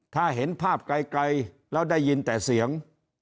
ถ้าเห็นภาพไกลแล้วได้ยินแต่เสียง